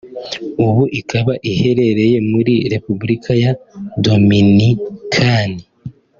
ubu ikaba iherereye muri Repubulika ya Dominikani